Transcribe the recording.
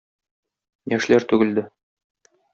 Яшьләр түгелде.